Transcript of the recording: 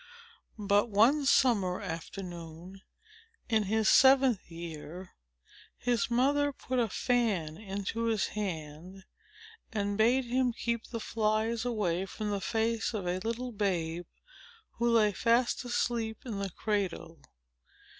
But, one summer afternoon, in his seventh year, his mother put a fan into his hand, and bade him keep the flies away from the face of a little babe, who lay fast asleep in the cradle.